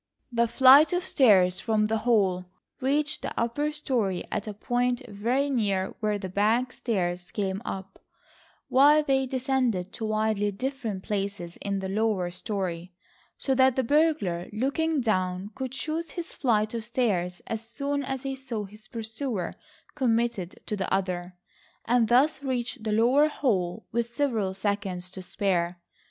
The flight of stairs from the hall reached the upper story at a point very near where the back stairs came up, while they descended to widely different places in the lower story, so that the burglar, looking down, could choose his flight of stairs as soon as he saw his pursuer committed to the other, and thus reach the lower hall with several seconds to spare.